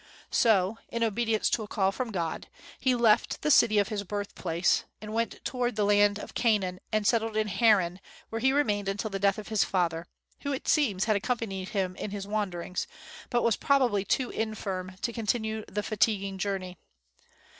So, in obedience to a call from God, he left the city of his birthplace, and went toward the land of Canaan and settled in Haran, where he remained until the death of his father, who it seems had accompanied him in his wanderings, but was probably too infirm to continue the fatiguing journey.